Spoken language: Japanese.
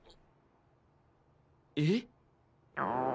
えっ？